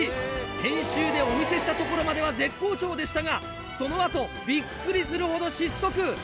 編集でお見せした所までは絶好調でしたがその後びっくりするほど失速。